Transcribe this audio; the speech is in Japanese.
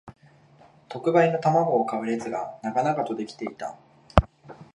特売の玉子を買う列が長々と出来ていた